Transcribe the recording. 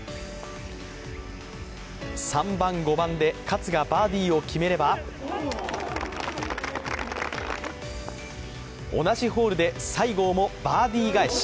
３番、５番で勝がバーディーを決めれば、同じホールで西郷もバーディー返し。